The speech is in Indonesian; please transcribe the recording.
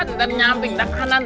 ntar nyamping dah kanan